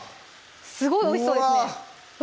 すごいおいしそうですね